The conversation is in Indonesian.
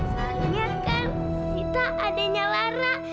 soalnya kan sita adanya lara